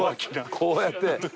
こうやって。